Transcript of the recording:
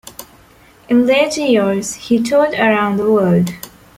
In later years, he toured around the world.